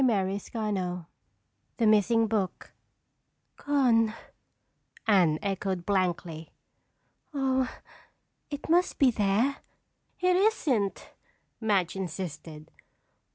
CHAPTER XIII The Missing Book "Gone," Anne echoed blankly. "Oh, it must be there." "It isn't," Madge insisted.